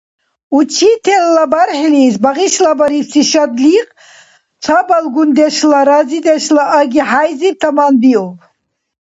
Учителла БархӀилис багъишлабарибси шадлихъ цабалгундешла, разидешла аги-хӀяйзиб таманбиуб.